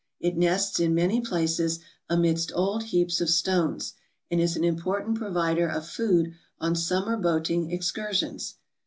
It nests in many places amidst old heaps of stones, and is an important provider of food on summer boating ex cursions.